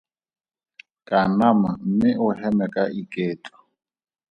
Kanama mme o heme ka iketlo.